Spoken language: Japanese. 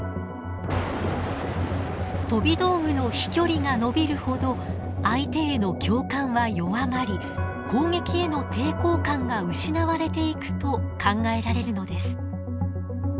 飛び道具の飛距離が延びるほど相手への共感は弱まり攻撃への抵抗感が失われていくと考えられるのです。